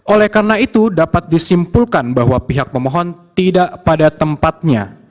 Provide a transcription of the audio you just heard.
oleh karena itu dapat disimpulkan bahwa pihak pemohon tidak pada tempatnya